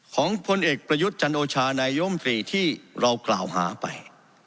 พลเอกประยุทธ์จันโอชานายมตรีที่เรากล่าวหาไป